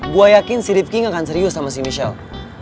gue yakin si rivking akan serius sama si michelle